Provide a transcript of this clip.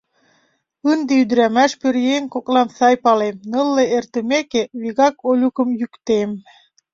Ынде ӱдырамаш-пӧръеҥ коклам сай палем: нылле эртымеке, вигак Олюкым йӱктем.